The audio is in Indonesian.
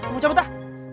mau cabut lah